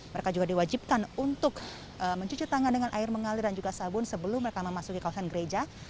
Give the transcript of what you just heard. mereka juga diwajibkan untuk mencuci tangan dengan air mengalir dan juga sabun sebelum mereka memasuki kawasan gereja